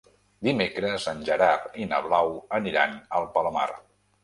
Dimecres en Gerard i na Blau aniran al Palomar.